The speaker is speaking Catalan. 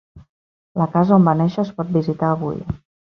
La casa on va néixer es pot visitar avui.